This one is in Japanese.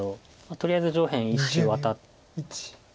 とりあえず上辺１子ワタって。